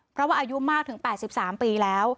เพราะว่าอายุมากถึง๘๓ปีแล้ว